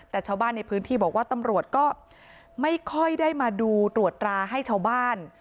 แต่ชาวบ้านในพื้นที่บอกว่าตำรวจก็ไม่ค่อยได้มาดูตรวจราให้ชาวบ้าน